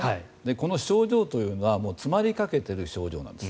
この症状というのは詰まりかけている症状なんです。